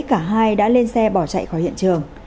cả hai đã lên xe bỏ chạy khỏi hiện trường